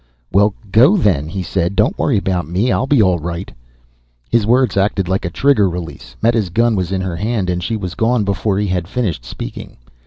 "Well, go then," he said. "Don't worry about me. I'll be all right." His words acted like a trigger release. Meta's gun was in her hand and she was gone before he had finished speaking.